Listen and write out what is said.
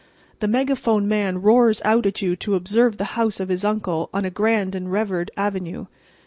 The megaphone man roars out at you to observe the house of his uncle on a grand and revered avenue.